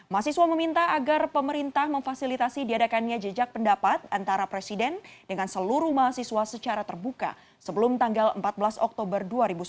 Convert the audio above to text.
mahasiswa meminta agar pemerintah memfasilitasi diadakannya jejak pendapat antara presiden dengan seluruh mahasiswa secara terbuka sebelum tanggal empat belas oktober dua ribu sembilan belas